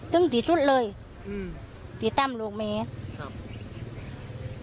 จึงที่ทุกที่เลยที่ตั้งลูกเมฆ